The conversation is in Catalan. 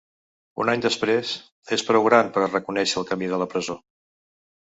Un any després, és prou gran per a reconèixer el camí de la presó.